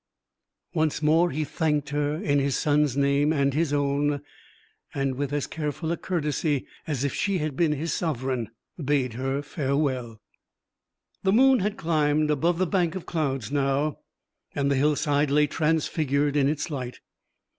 Once more he thanked her in his son's name and his own, and with as careful a courtesy as if she had been his sovereign, bade her farewell. The moon had climbed above the bank of clouds now, and the hillside lay transfigured in its light.